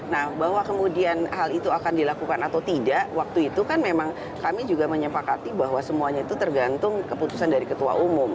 nah bahwa kemudian hal itu akan dilakukan atau tidak waktu itu kan memang kami juga menyepakati bahwa semuanya itu tergantung keputusan dari ketua umum